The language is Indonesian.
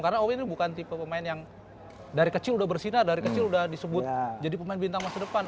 karena owi ini bukan tipe pemain yang dari kecil udah bersinar dari kecil udah disebut jadi pemain bintang masa depan